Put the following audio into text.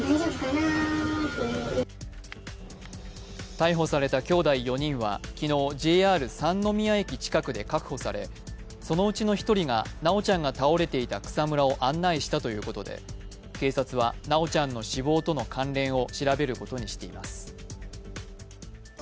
逮捕されたきょうだい４人は昨日、ＪＲ三ノ宮駅近くで確保されそのうちの１人が、修ちゃんが倒れていた草むらを案内したということで警察は修ちゃんの死亡との関連を調べることにしています。